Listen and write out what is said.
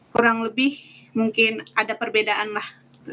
kurang lebih mungkin ada perbedaan lah